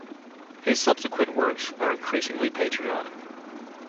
His subsequent works are increasingly patriotic.